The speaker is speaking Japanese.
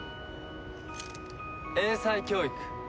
英才教育。